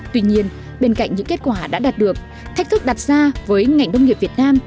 tuy nhiên bên cạnh những kết quả đã đạt được thách thức đặt ra với ngành nông nghiệp việt nam